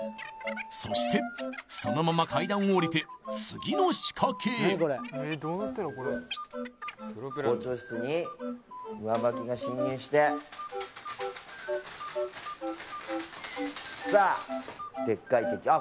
そしてそのまま階段をおりて次の仕掛けへ校長室に進入してさあでっかい鉄球あっ